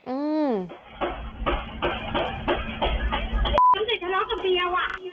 อืม